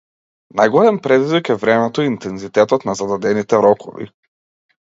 Најголем предизвик е времето и интензитетот на зададените рокови.